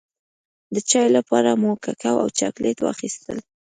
د چای لپاره مو ککو او چاکلېټ واخيستل.